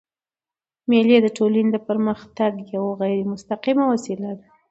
مېلې د ټولني د پرمختګ یوه غیري مستقیمه وسیله ده.